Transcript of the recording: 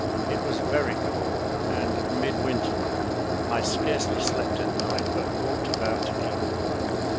It was very cold and midwinter now. I scarcely slept at night, but walked about to keep warm.